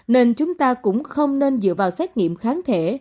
nên chúng ta cũng không nên dựa vào xét nghiệm kháng thể